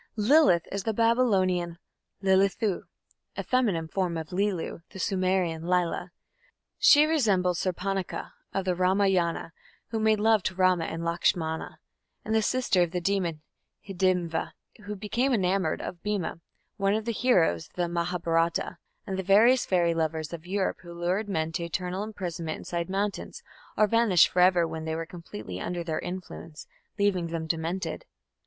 Lilith is the Babylonian Lilithu, a feminine form of Lilu, the Sumerian Lila. She resembles Surpanakha of the Ramayana, who made love to Rama and Lakshmana, and the sister of the demon Hidimva, who became enamoured of Bhima, one of the heroes of the Mahabharata, and the various fairy lovers of Europe who lured men to eternal imprisonment inside mountains, or vanished for ever when they were completely under their influence, leaving them demented.